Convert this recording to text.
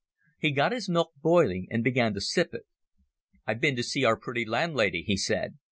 He got his milk boiling and began to sip it. "I've been to see our pretty landlady," he said.